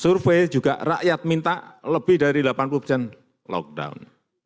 survei juga rakyat minta lebih dari delapan puluh persen lockdown